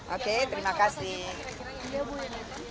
oke terima kasih